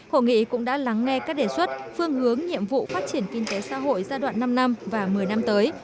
hội nghị cũng đã lắng nghe các đề xuất phương hướng nhiệm vụ phát triển kinh tế xã hội giai đoạn năm năm và một mươi năm tới